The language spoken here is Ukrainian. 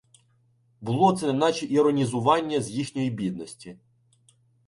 Було це неначе іронізування з їхньої бідності.